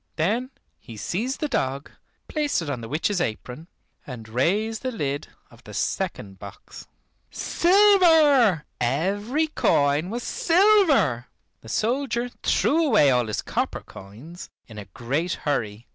Then he seized the dog, placed it on the witch's apron, and raised the lid of the second box. Silver, every coin was silver! The soldier threw away all his copper coins in a great hurry.